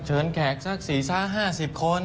เชิญแกะสัก๔๐๕๐คน